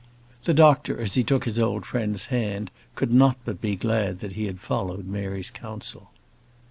The doctor, as he took his old friend's hand, could not but be glad that he had followed Mary's counsel.